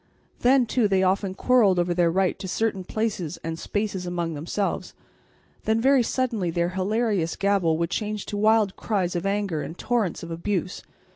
Then, too, they often quarrelled over their right to certain places and spaces among themselves; then very suddenly their hilarious gabble would change to wild cries of anger and torrents of abuse.